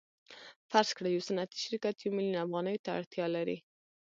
فرض کړئ یو صنعتي شرکت یو میلیون افغانیو ته اړتیا لري